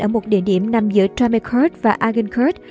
ở một địa điểm nằm giữa tramacourt và agincourt